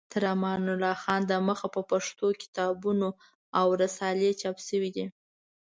تر امان الله خان د مخه په پښتو کتابونه او رسالې چاپ شوې دي.